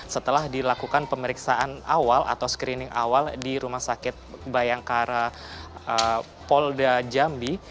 setelah dilakukan pemeriksaan awal atau screening awal di rumah sakit bayangkara polda jambi